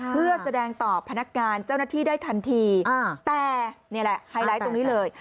เพื่อแสดงต่อพนักงานเจ้าหน้าที่ได้ทันทีแต่นี่แหละไฮไลท์ตรงนี้เลย